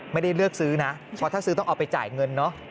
ไม่ได้เลือกซื้อนะเพราะถ้าซื้อต้องเอาไปจ่ายเงินเนอะ